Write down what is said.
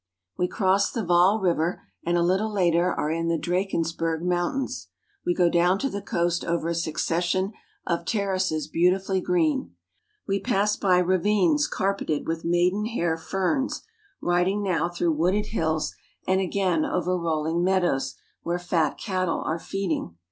We cross the Vaal River, and a little later are in the Drakensberg Mountains. We go down to the coast over a succession of terraces beautifully green. We pass by ravines carpeted with maiden hair ferns, riding now I NATAL, THE GAKDEN OF SOUTH AKRICA 3" through wooded hills and again over rolUng meadows where fat cattle are feeding.